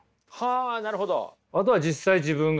あなるほど。